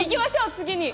次に。